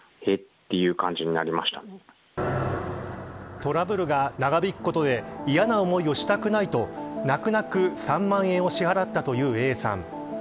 トラブルが長引くことで嫌な思いをしたくないと泣く泣く３万円を支払ったというＡさん。